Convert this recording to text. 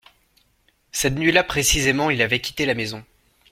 Cette nuit-là précisément il avait quitté la maison.